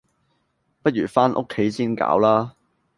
不如返屋企先搞啦